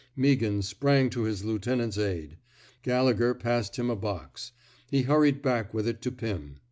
Meaghan sprang to his lieutenant's aid. Gallegher passed him a box. He hurried back with it to Pim.